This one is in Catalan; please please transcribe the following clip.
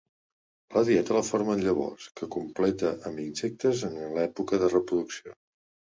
La dieta la formen llavors, que completa amb insectes en l'època de reproducció.